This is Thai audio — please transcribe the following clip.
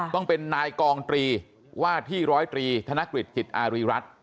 ต้องเป็นนายกองตรีว่าที่ร้อยตรีธนกฤษจิตอารีรัฐ